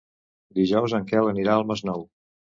Dijous en Quel anirà al Masnou.